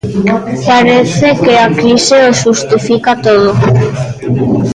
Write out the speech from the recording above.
Parece que a crise o xustifica todo.